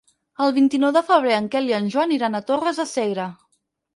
El vint-i-nou de febrer en Quel i en Joan iran a Torres de Segre.